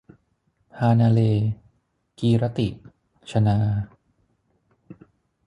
ฮานาเล - กีรติ ชนา